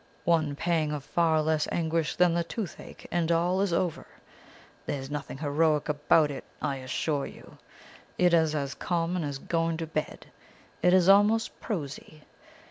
One pang of far less anguish than the toothache, and all is over. There is nothing heroic about it, I assure you! It is as common as going to bed; it is almost prosy.